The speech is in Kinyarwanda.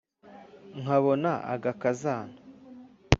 Nkabona agakazana